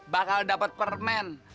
bakal dapet permen